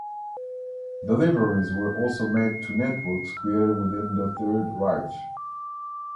Deliveries were also made to networks created within the Third Reich.